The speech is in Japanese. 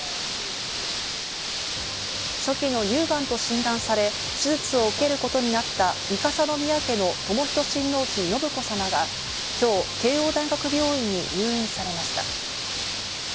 初期の乳がんと診断され、手術を受けることになった三笠宮家の寛仁親王妃信子さまが今日、慶應大学病院に入院されました。